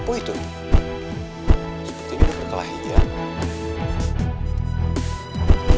kuatan dasar harimau adalah tiga hari